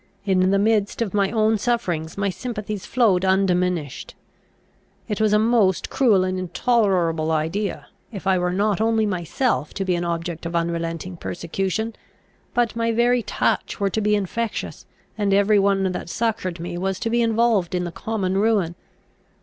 In the midst of my own sufferings my sympathies flowed undiminished. It was a most cruel and intolerable idea, if I were not only myself to be an object of unrelenting persecution, but my very touch were to be infectious, and every one that succoured me was to be involved in the common ruin.